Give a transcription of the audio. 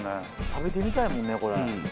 食べてみたいもんねこれ。